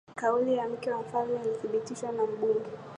kauli ya mke wa mfalme ilithibitishwa na bunge